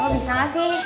oh bisa sih